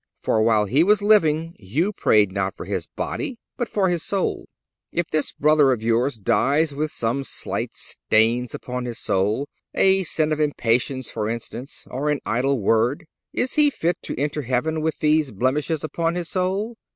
For while he was living you prayed not for his body, but for his soul. If this brother of yours dies with some slight stains upon his soul, a sin of impatience, for instance, or an idle word, is he fit to enter heaven with these blemishes upon his soul?